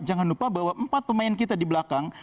jangan lupa bahwa empat pemain kita di belakang